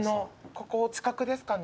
ここ近くですかね？